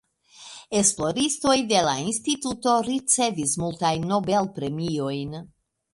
Esploristoj de la Instituto ricevis multajn Nobel-premiojn.